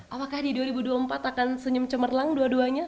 apakah di dua ribu dua puluh empat akan senyum cemerlang dua duanya